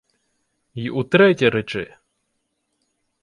— Й утретє речи!